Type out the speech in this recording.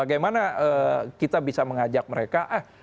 bagaimana kita bisa mengajak mereka pulang dong ke tangerang